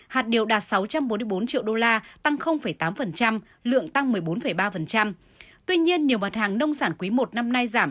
hạt điều đạt sáu trăm bốn mươi bốn triệu đô la tăng tám lượng tăng một mươi bốn ba tuy nhiên nhiều mặt hàng nông sản quý i năm nay giảm